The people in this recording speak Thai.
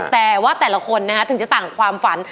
แต่ว่าแต่ละคนถึงจะต่างความฝัน